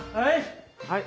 はい。